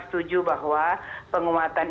setuju bahwa penguatan